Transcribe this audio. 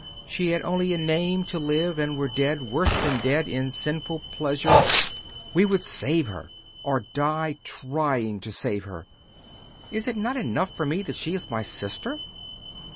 she had only a name to live, and were dead, worse than dead, in sinful pleasure ' 'We would save her, or die trying to save her! Is it not enough for me that she is my sister?